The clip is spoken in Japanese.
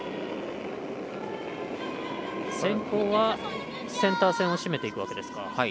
戦法はセンター線を占めていくわけですか。